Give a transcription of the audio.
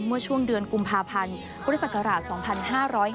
เมื่อช่วงเดือนกุมภาพันธ์พุทธศักราช๒๕๕